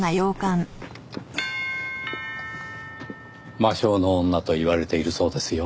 魔性の女といわれているそうですよ。